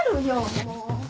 もう。